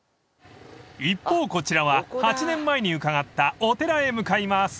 ［一方こちらは８年前に伺ったお寺へ向かいます］